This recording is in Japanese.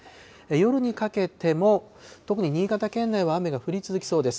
夜にかけても、特に新潟県内は雨が降り続きそうです。